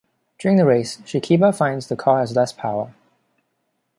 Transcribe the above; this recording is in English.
During the race, Shikiba finds the car has less power.